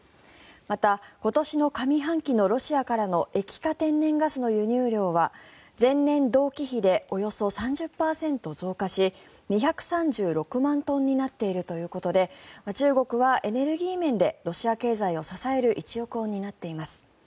また、今年の上半期のロシアからの液化天然ガスの輸入量は前年同期比でおよそ３０％増加し２３６万トンになっているということで中国はエネルギー面でロシア経済を支える一翼を担っています。